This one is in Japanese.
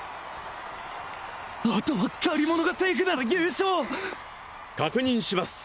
あとは借り物がセーフなら優勝確認します